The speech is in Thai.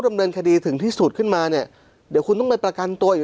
ดำเนินคดีถึงที่สุดขึ้นมาเนี่ยเดี๋ยวคุณต้องไปประกันตัวอีก